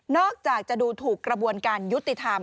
จากจะดูถูกกระบวนการยุติธรรม